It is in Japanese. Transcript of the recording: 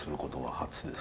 初です！